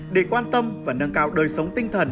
để quan tâm và nâng cao đời sống tinh thần